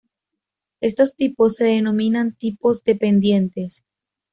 Estos tipos se denominan tipos dependientes.